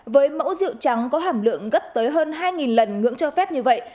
với mẫu rượu trắng có hàm lượng gấp tới hơn hai lần ngưỡng cho phép như vậy